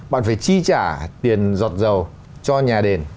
bạn phải chi trả tiền giọt dầu cho nhà đền